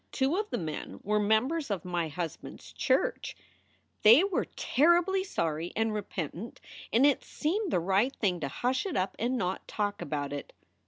Two of the men were members of my husband s church. They were terribly sorry and repentant and it seemed the right thing to hush it up and not talk about it.